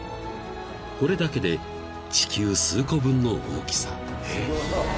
［これだけで地球数個分の大きさ］